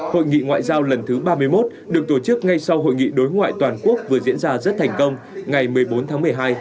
hội nghị ngoại giao lần thứ ba mươi một được tổ chức ngay sau hội nghị đối ngoại toàn quốc vừa diễn ra rất thành công ngày một mươi bốn tháng một mươi hai